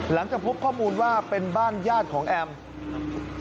หลังจากพบข้อมูลว่าเป็นบ้านญาติของแอม